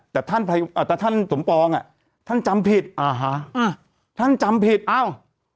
แต่ท่านอ่าแต่ท่านสมปองอ่ะท่านจำผิดอ่าฮะอ่าท่านจำผิดอ้าว